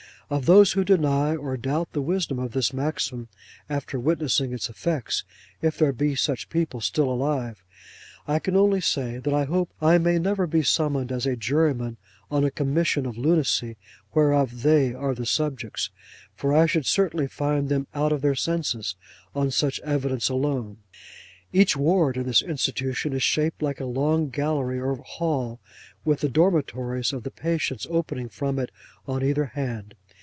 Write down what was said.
Of those who deny or doubt the wisdom of this maxim after witnessing its effects, if there be such people still alive, I can only say that I hope I may never be summoned as a Juryman on a Commission of Lunacy whereof they are the subjects; for I should certainly find them out of their senses, on such evidence alone. Each ward in this institution is shaped like a long gallery or hall, with the dormitories of the patients opening from it on either hand.